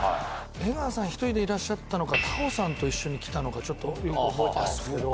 江川さん１人でいらっしゃったのか田尾さんと一緒に来たのかよく覚えてないけど。